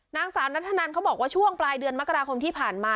นางสาวนัทธนันเขาบอกว่าช่วงปลายเดือนมกราคมที่ผ่านมา